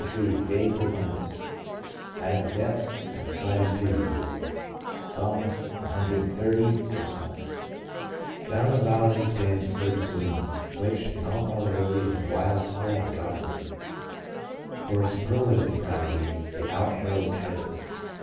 Ill DE PROFUNDIS Out of the depths have I cried unto thee, O Lord." — Fs. cxxx, I, DOWN on the Bowery stands a cer tain saloon, which, in all probability, is the vilest hole on God's earth. For superlative depravity it out Herods Herod.